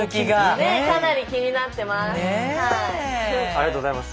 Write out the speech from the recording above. ねえかなり気になってます。